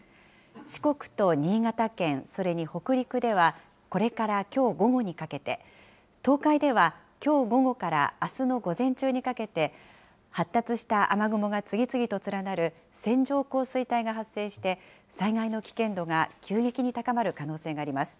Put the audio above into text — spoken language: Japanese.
四国と新潟県、それに北陸では、これからきょう午後にかけて、東海ではきょう午後からあすの午前中にかけて、発達した雨雲が次々と連なる線状降水帯が発生して、災害の危険度が急激に高まる可能性があります。